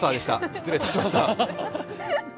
失礼いたしました。